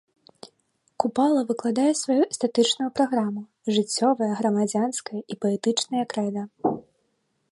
Купала выкладае сваю эстэтычную праграму, жыццёвае, грамадзянскае і паэтычнае крэда.